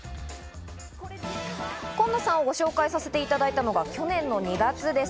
コンノさんをご紹介させていただいたのが、去年の２月です。